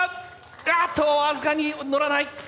あっと僅かに乗らない。